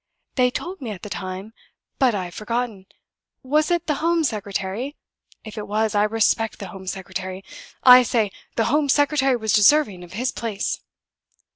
"They told me at the time, but I have forgotten. Was it the Home Secretary? If it was, I respect the Home Secretary! I say the Home Secretary was deserving of his place."